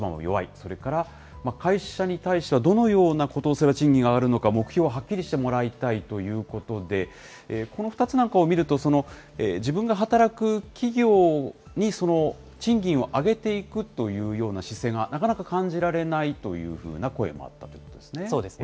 それから会社に対しては、どのようなことをすれば賃金が上がるのか、目標をはっきりしてもらいたいということで、この２つなんかを見ると、自分が働く企業に、賃金を上げていくというような姿勢がなかなか感じられないというふうな声もあったということですね。